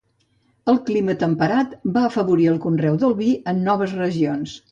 El clima temperat va afavorir el conreu del vi en noves regions.